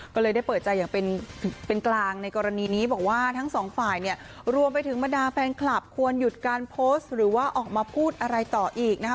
ก็เลยได้เปิดใจอย่างเป็นกลางในกรณีนี้บอกว่าทั้งสองฝ่ายเนี่ยรวมไปถึงบรรดาแฟนคลับควรหยุดการโพสต์หรือว่าออกมาพูดอะไรต่ออีกนะคะ